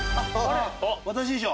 私でしょ。